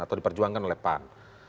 atau diperjuangkan oleh pan